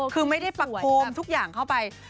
คือไม่ได้ประโคมทุกอย่างเข้าไป